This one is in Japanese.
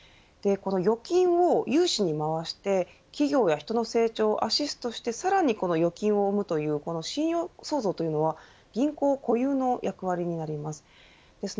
預金を融資にまわして企業が人の成長をアシストしてさらに預金を生むという信用創造というのは銀行固有の役割になります。